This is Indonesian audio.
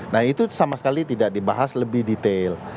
nah itu sama sekali tidak dibahas lebih detail